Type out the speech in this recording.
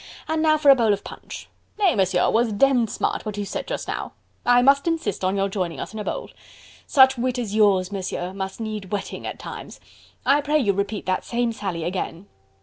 "And now for a bowl of punch.... Nay, Monsieur, 'twas demmed smart what you said just now... I must insist on your joining us in a bowl.... Such wit as yours, Monsieur, must need whetting at times. ... I pray you repeat that same sally again..."